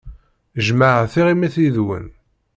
Jjmeɣ tiɣimit yid-wen.